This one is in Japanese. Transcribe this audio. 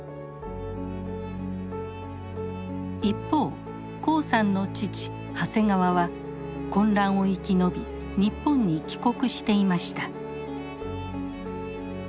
一方黄さんの父長谷川は混乱を生き延び日本に帰国していました。